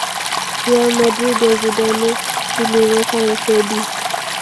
Real Madrid ya Zidane iliweka rekodi